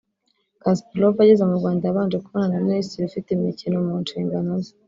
Kasparov ageze mu Rwanda yabanje kubonana na Minisitiri ufite imikino mu nshingano ze